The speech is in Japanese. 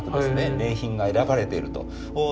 名品が選ばれてると。